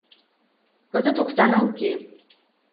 Кызыт оксана уке.